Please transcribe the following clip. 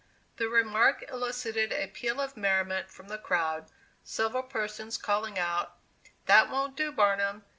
The remark elicited a peal of merriment from the crowd, several persons calling out, "That won't do, Barnum!